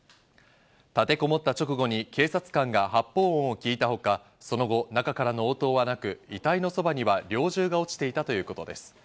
立てこもった直後に警察官が発砲音を聞いたほか、その後、中から応答はなく遺体のそばに猟銃が落ちていたということです。